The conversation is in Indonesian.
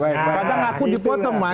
padahal aku dipotong mas